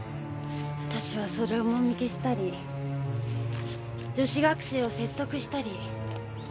私はそれをもみ消したり女子学生を説得したり。